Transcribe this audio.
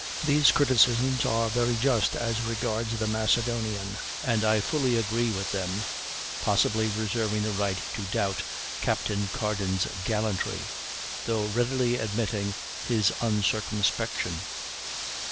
These criticisms are very just as regards the Macedonian, and I fully agree with them (possibly reserving the right to doubt Captain Carden's gallantry, though readily admitting his uncircumspection).